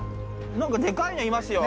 何かでかいのいますよ。